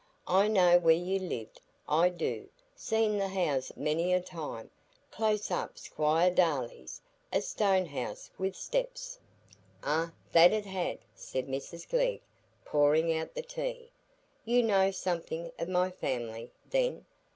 I know where you lived, I do,—seen th' house many a time,—close upon Squire Darleigh's,—a stone house wi' steps——" "Ah, that it had," said Mrs Glegg, pouring out the tea. "You know something o' my family, then?